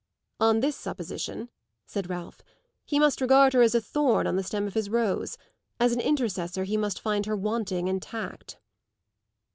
"On this supposition," said Ralph, "he must regard her as a thorn on the stem of his rose; as an intercessor he must find her wanting in tact."